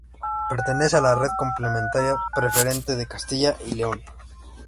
Pertenece a la Red Complementaria Preferente de Castilla y León.